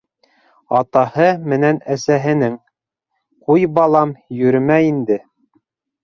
Атаһы менән әсәһенең: - Ҡуй, балам, йөрөмә инде.